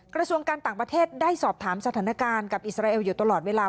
กระทรวงการต่างประเทศได้สอบถามสถานการณ์กับอิสราเอลอยู่ตลอดเวลา